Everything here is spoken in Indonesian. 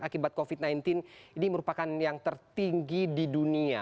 akibat covid sembilan belas ini merupakan yang tertinggi di dunia